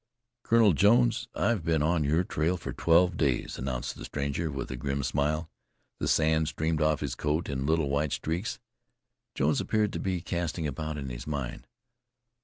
"Colonel Jones, I've been on your trail for twelve days," announced the stranger, with a grim smile. The sand streamed off his coat in little white streak. Jones appeared to be casting about in his mind.